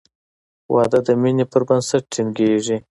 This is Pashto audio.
• واده د مینې پر بنسټ ټینګېږي.